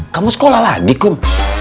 kamu sekolah lagi kum